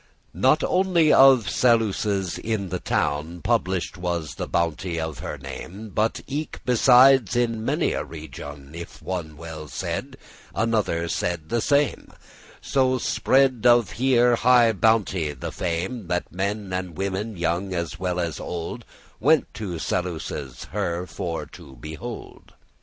Not only of Saluces in the town Published was the bounte of her name, But eke besides in many a regioun; If one said well, another said the same: So spread of here high bounte the fame, That men and women, young as well as old, Went to Saluces, her for to behold.